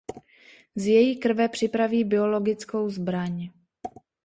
Z její krve připraví biologickou zbraň.